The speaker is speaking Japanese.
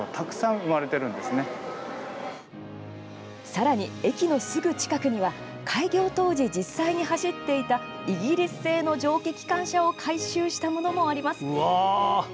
さらに、駅のすぐ近くには開業当時、実際に走っていたイギリス製の蒸気機関車を改修したものもあります。